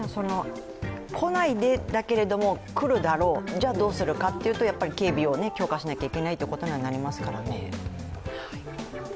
来ないで、だけれども、来るだろうじゃあどうするかっていうとやっぱり警備を強化しないといけないということになりますからね。